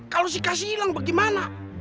kalau si kak silang bagaimana